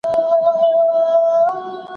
سفیران به مهم بحثونه پرمخ وړي.